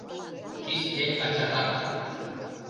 — Чисте ачатак!